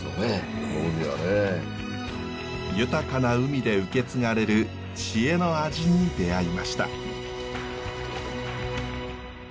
豊かな海で受け継がれる知恵の味に出会いました。